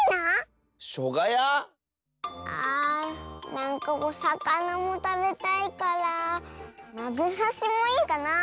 なんかおさかなもたべたいから「まぐさし」もいいかなあ。